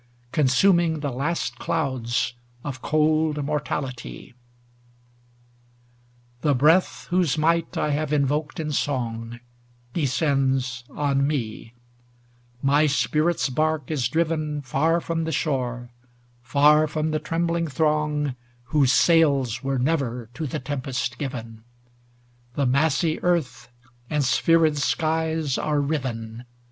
Consuming the last clouds of cold mortality. PROLOGUE 317 LV The breath whose might I have invoked in song Descends on me; my spirit's bark is driven Far from the shore, far from the trem bling throng Whose sails were never to the tempest given; The massy earth and sphered skies are riven